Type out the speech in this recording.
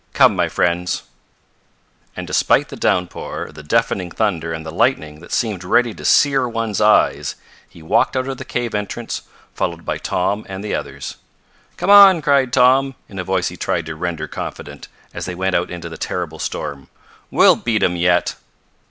Come my friends." And despite the downpour, the deafening thunder and the lightning that seemed ready to sear one's eyes, he walked out of the cave entrance, followed by Tom and the others. "Come on!" cried Tom, in a voice he tried to render confident, as they went out into the terrible storm. "We'll beat 'em yet!"